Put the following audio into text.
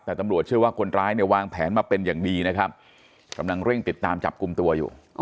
แต่ตำรวจเชื่อว่าคนร้ายเนี่ยวางแผนมาเป็นอย่างดีนะครับกำลังเร่งติดตามจับกลุ่มตัวอยู่